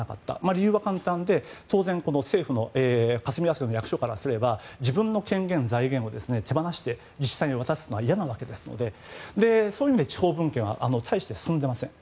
理由は簡単で当然、霞が関の役所からすれば自分の権限、財源を手放して自治体に渡すのは嫌なわけですのでそういう意味で地方分権は大して進んでいません。